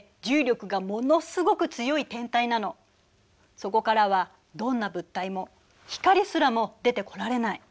そこからはどんな物体も光すらも出てこられない。